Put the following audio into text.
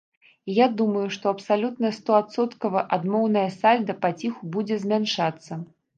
І я думаю, што абсалютна стоадсоткава адмоўнае сальда паціху будзе змяншацца.